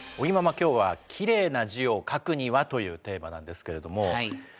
今日はきれいな字を書くにはというテーマなんですけれども。